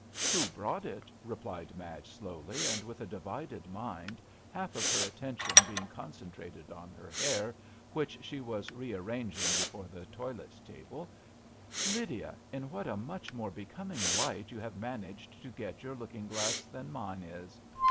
"Who brought it?" replied Madge, slowly, and with a divided mind, half of her attention being concentrated on her hair, which she was rearranging before the toilet table, " Lydia, in what a much more becoming light you have managed to get your look ing glass than mine is.